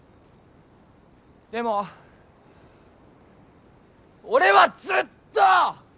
でも俺はずっと！